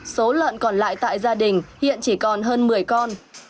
số lợn còn lại tại gia đình hiện chỉ còn hơn một mươi con